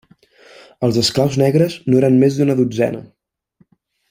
Els esclaus negres no eren més d'una dotzena.